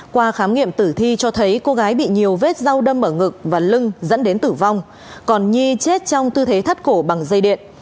qua khám nghiệm tử thi cho thấy cô gái bị nhiều vết dao đâm mở ngực và lưng dẫn đến tử vong còn nhi chết trong tư thế thất cổ bằng dây điện